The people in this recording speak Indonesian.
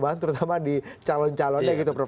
tidak ada perubahan terutama di calon calonnya gitu prof